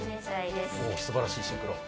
すばらしいシンクロ。